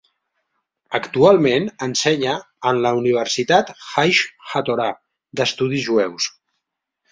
Actualment ensenya en la universitat Aish HaTorah d'estudis jueus.